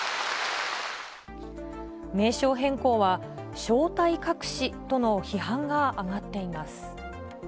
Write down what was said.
名称変更は、正体隠しとの批判が上がっています。